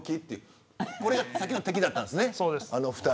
これがさっきの敵だったんですね。